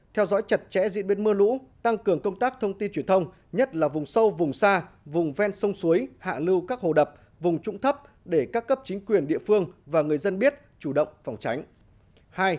hai theo dõi chặt chẽ diễn biến mưa lũ tăng cường công tác thông tin truyền thông nhất là vùng sâu vùng xa vùng ven sông suối hạ lưu các hồ đập vùng trũng thấp để các cấp chính quyền địa phương và người dân biết chủ động phòng tránh